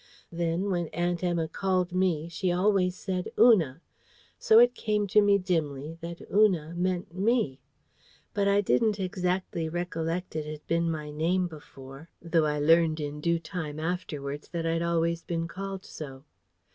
Then, when Aunt Emma called me, she always said "Una." So it came to me dimly that Una meant ME. But I didn't exactly recollect it had been my name before, though I learned in due time afterwards that I'd always been called so.